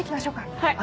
はい。